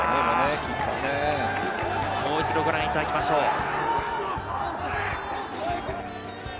もう一度ご覧いただきましょう。